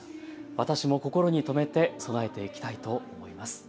私も心に留めて備えていきたいと思います。